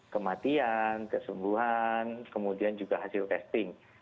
kematian kesembuhan kemudian juga hasil testing